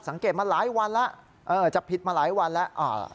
สังเกตมาหลายวันแล้วจะผิดมาหลายวันแล้ว